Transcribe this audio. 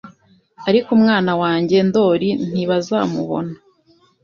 Ariko umwana wanjye Ndoli ntibazamubona